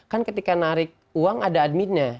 kan ketika narik uang ada adminnya